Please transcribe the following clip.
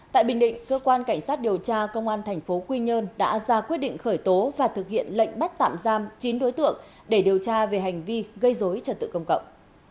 tại bình định cơ quan cảnh sát điều tra công an thành phố quy nhơn đã ra quyết định khởi tố và thực hiện lệnh bắt tạm giam chín đối tượng để điều tra về hành vi gây dối trật tự công cộng